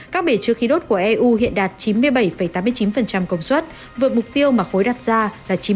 các bể trưa khí đốt của eu hiện đạt chín mươi bảy tám mươi chín công suất vượt mục tiêu mà khối đặt ra là chín mươi vào tháng một mươi một